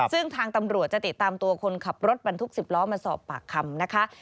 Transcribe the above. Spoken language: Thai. ซึ่งทางตำรวจจะติดตามตัวคนขับรถบรรทุก๑๐ล้อมาสอบปากคำนะคะ